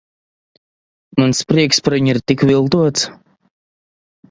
Mans prieks par viņu ir tik viltots.